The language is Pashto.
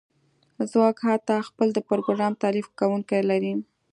ځواک حتی خپل د پروګرام تالیف کونکی لري